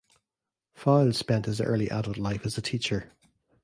Fowles spent his early adult life as a teacher.